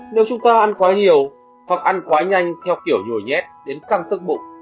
nếu chúng ta ăn quá nhiều hoặc ăn quá nhanh theo kiểu nhồi nhét đến căng thức bụng